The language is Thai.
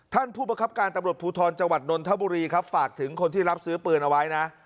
ท่านผู้ประคับการตำรวจภูทรจังหวัดนนทบุรีครับฝากถึงคนที่รับซื้อปืนเอาไว้นะ